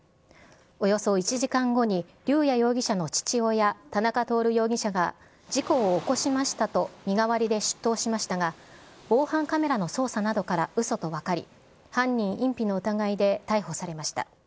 およそ１時間後に龍也容疑者の父親、田中徹容疑者が事故を起こしましたと身代わりで出頭しましたが、防犯カメラの捜査などからうそと分かり、犯人隠避の疑いで逮捕されました。